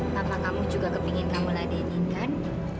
papa kamu juga kepingin kamu ladenin kan